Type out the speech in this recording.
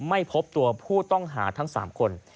ไม่พบตัวผู้ต้องหาทั้ง๓คน